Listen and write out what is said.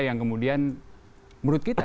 yang kemudian menurut kita